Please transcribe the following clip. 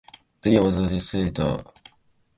The year was a disaster.